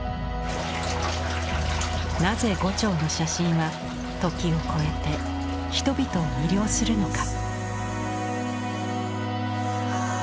なぜ牛腸の写真は時を超えて人々を魅了するのか？